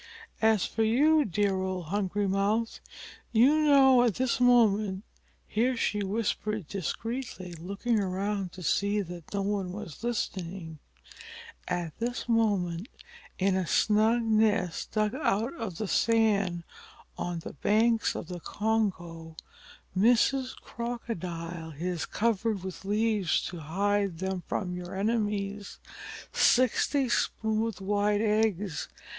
As for you, dear old Hungry Mouth, you know that at this moment" here she whispered discreetly, looking around to see that no one was listening, "at this moment in a snug nest dug out of the sand on the banks of the Congo, Mrs. Crocodile has covered with leaves to hide them from your enemies sixty smooth white eggs.